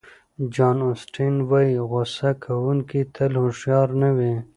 جان اوسټین وایي غوصه کوونکي تل هوښیار نه وي.